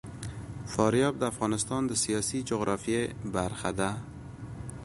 فاریاب د افغانستان د سیاسي جغرافیه برخه ده.